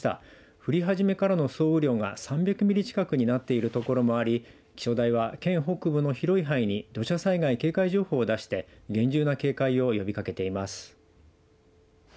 降り始めからの総雨量が３００ミリ近くになっているところもあり気象台は県北部の広い範囲に土砂災害警戒情報を出して厳重な警戒を呼びかけています。